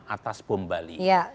atas bom bali